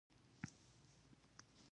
خوب د وجود طبیعت سره مینه ده